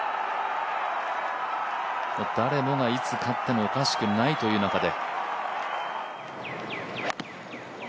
誰もがいつ勝ってもおかしくないという中で。